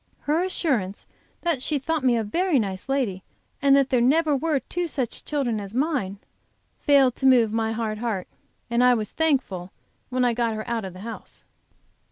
Her assurance that she thought me a very nice lady, and that there never were two such children as mine, failed to move my hard heart, and I was thankful when I got her out of the house.